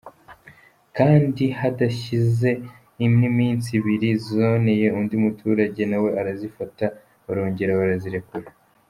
Kandi hadashize n’iminsi ibiri zoneye undi muturage nawe arazifata barongera barazirekura.